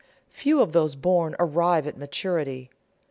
Few of those born arrive at maturity.